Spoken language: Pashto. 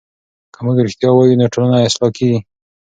که موږ رښتیا وایو نو ټولنه اصلاح کېږي.